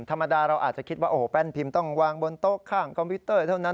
ธรรมดาเราอาจจะคิดว่าโอ้โหแป้นพิมพ์ต้องวางบนโต๊ะข้างคอมพิวเตอร์เท่านั้น